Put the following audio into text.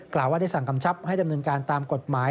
กล่าวว่าได้สั่งกำชับให้ดำเนินการตามกฎหมาย